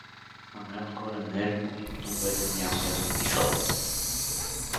А най-отгоре нервно и много едро някой е написал.